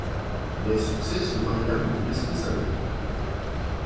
Les succès sont variables d'une espèce à l'autre.